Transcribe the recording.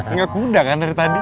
nggak kuda kan dari tadi